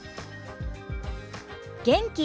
元気。